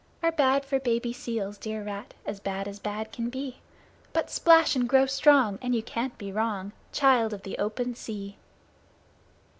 Are bad for baby seals, dear rat, As bad as bad can be; But splash and grow strong, And you can't be wrong. Child of the Open Sea!